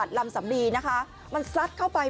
ะเข้าสนใบเมืองลั้นลำสำรี